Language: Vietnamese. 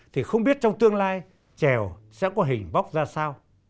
thì không biết trong tương lai trèo sẽ có hình bóc ra sao